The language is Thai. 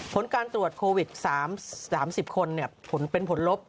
ผลการตรวจโควิด๓๐คนเป็นผลลบ